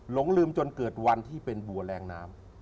หลงลืมจนเกิดวันที่เป็นบัวแรงน้ำ